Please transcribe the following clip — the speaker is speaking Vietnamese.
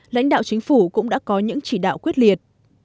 lãnh đạo chính phủ cũng đã có những chỉ đạo quyết liệt